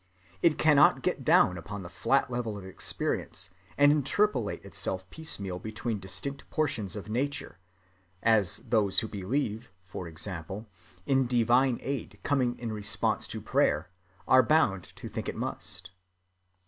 It cannot get down upon the flat level of experience and interpolate itself piecemeal between distinct portions of nature, as those who believe, for example, in divine aid coming in response to prayer, are bound to think it must.